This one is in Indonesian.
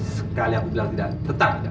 sekali aku bilang tidak tetap